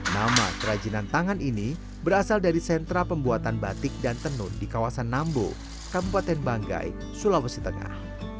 nama kerajinan tangan ini berasal dari sentra pembuatan batik dan tenun di kawasan nambo kabupaten banggai sulawesi tengah